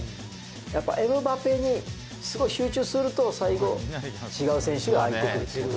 やっぱエムバペにすごい集中すると、最後、違う選手が空いてくる。